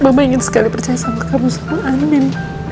mama ingin sekali percaya sama kamu sama andin